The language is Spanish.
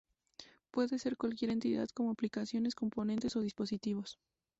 Puede ser cualquier entidad, como aplicaciones, componentes o dispositivos.